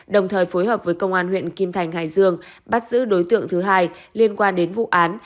đồng thời phối hợp với công an huyện kim thành hải dương bắt giữ đối tượng thứ hai liên quan đến vụ án